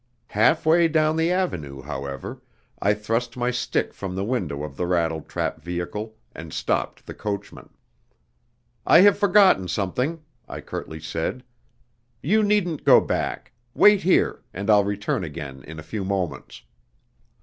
Half way down the avenue, however, I thrust my stick from the window of the rattle trap vehicle and stopped the coachman. "I have forgotten something," I curtly said. "You needn't go back; wait here, and I'll return again in a few moments."